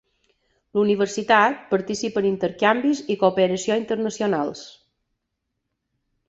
La universitat participa en intercanvis i cooperació internacionals.